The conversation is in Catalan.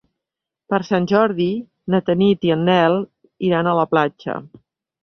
Per Sant Jordi na Tanit i en Nel iran a la platja.